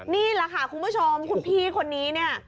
นี่แหละค่ะคุณผู้ชมคุณพี่คนนี้เนี่ย